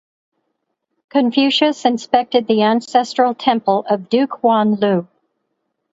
Confucius inspected the ancestral temple of Duke Huan of Lu.